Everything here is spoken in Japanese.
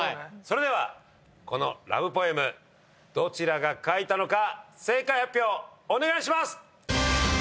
それではこのラブポエムどちらが書いたのか正解発表お願いします。